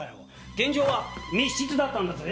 現場は密室だったんだぜ？